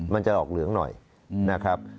มันจะออกเหลืองหน่อยนะครับ